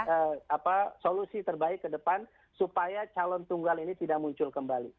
apa solusi terbaik ke depan supaya calon tunggal ini tidak muncul kembali